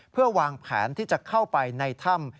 เพื่อวางแผนที่จะเข้าไปในถ้ำ